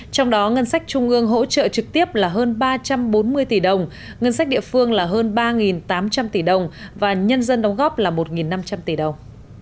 trong đó ngân sách trung ương hỗ trợ trực tiếp là hơn ba trăm bốn mươi tỷ đồng ngân sách địa phương là hơn ba tám trăm linh tỷ đồng và nhân dân đóng góp là một năm trăm linh tỷ đồng